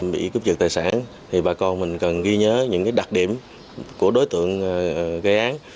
bị cướp giật tài sản thì bà con mình cần ghi nhớ những đặc điểm của đối tượng gây án